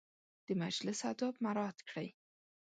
د مجلس اداب مراعت کړئ